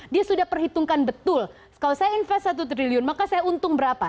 dia sudah perhitungkan betul kalau saya investasi satu triliun maka saya untung berapa